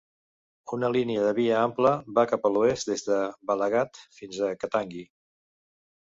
Una línia de via ampla va cap a l'oest des de Balaghat fins a Katangi.